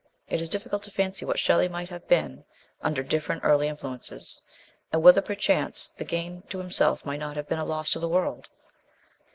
It is difficult to fancy what Shelley might have been under different early influences, and whether perchance the gain to himself might not have been a loss to the world.